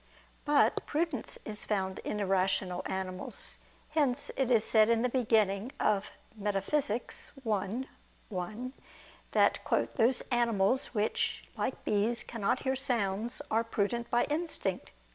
But prudence is found in irrational animals: hence it is said in the beginning of Metaph. i, 1 that "those animals which, like bees, cannot hear sounds, are prudent by instinct."